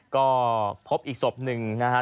ก็พบอีกศพหนึ่งนะฮะ